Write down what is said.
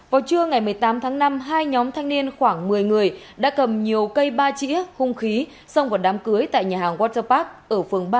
vào trưa ngày một mươi tám tháng năm hai nhóm thanh niên khoảng một mươi người đã cầm nhiều cây ba chĩa hung khí xông vào đám cưới tại nhà hàng waterpac ở phường ba